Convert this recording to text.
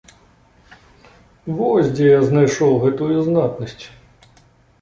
Вось дзе я знайшоў гэтую знатнасць.